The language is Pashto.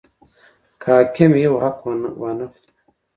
که حاکم یو حق وانه خلي.